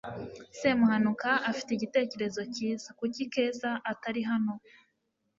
semuhanuka afite igitekerezo cyiza kuki keza atari hano